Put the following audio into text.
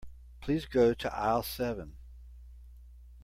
Please go to aisle seven.